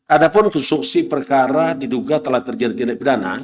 adapun konstruksi perkara diduga telah terjadi tindak bidana